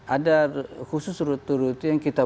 ada khusus rute rute yang kita